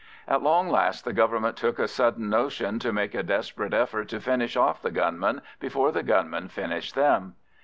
At long last the Government took a sudden notion to make a desperate effort to finish off the gunmen before the gunmen finished them.